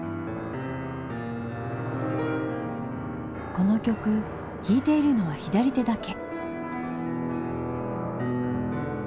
この曲弾いているのは左手だけ。